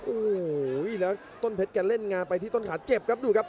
โอ้โหแล้วต้นเพชรแกเล่นงาไปที่ต้นขาเจ็บครับดูครับ